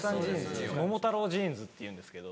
桃太郎ジーンズっていうんですけど。